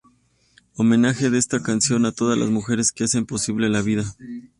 Homenaje de esta canción a todas las mujeres que hacen posible la vida.